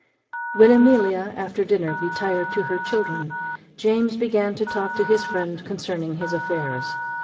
When Amelia, after dinner, retired to her children, James began to talk to his friend concerning his affairs.